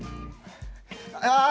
ああ！